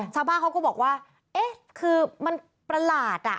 ชาวบ้านเขาก็บอกว่าเอ๊ะคือมันประหลาดอ่ะ